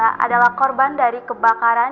adalah korban dari kebakaran